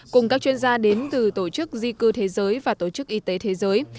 cùng các chuyên gia đến từ tổ chức di cư thế giới và tổ chức y tế thế giới